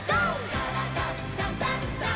「からだダンダンダン」